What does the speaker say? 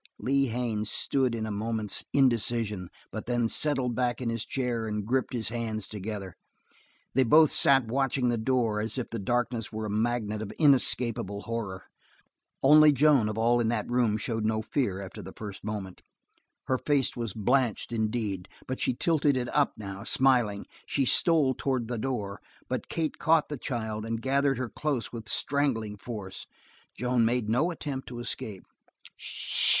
Lee Haines stood in a moment's indecision but then settled back in his chair and gripped his hands together. They both sat watching the door as if the darkness were a magnet of inescapable horror. Only Joan, of all in that room, showed no fear after the first moment. Her face was blanched indeed, but she tilted it up now, smiling; she stole towards the door, but Kate caught the child and gathered her close with strangling force. Joan made no attempt to escape. "S sh!"